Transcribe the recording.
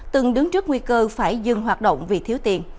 từng đứng trước nguy cơ phải dừng hoạt động vì thiếu tiền